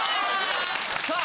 さあ！